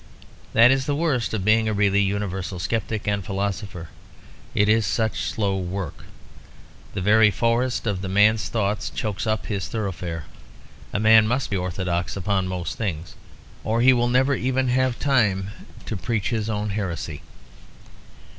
That is the worst of being a really universal sceptic and philosopher; it is such slow work. The very forest of the man's thoughts chokes up his thoroughfare. A man must be orthodox upon most things, or he will never even have time to preach his own heresy.